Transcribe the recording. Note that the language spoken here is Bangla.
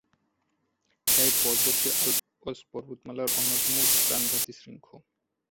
তাই পর্বতটি আল্পস পর্বতমালার অন্যতম প্রাণঘাতী শৃঙ্গ।